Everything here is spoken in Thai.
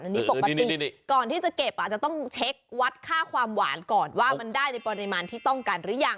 อันนี้ปกติก่อนที่จะเก็บอาจจะต้องเช็ควัดค่าความหวานก่อนว่ามันได้ในปริมาณที่ต้องการหรือยัง